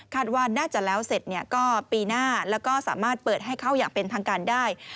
ว่าน่าจะแล้วเสร็จก็ปีหน้าแล้วก็สามารถเปิดให้เข้าอย่างเป็นทางการได้